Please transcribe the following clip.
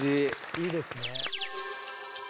いいですね。